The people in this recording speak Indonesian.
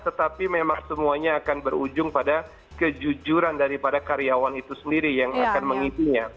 tetapi memang semuanya akan berujung pada kejujuran daripada karyawan itu sendiri yang akan mengisinya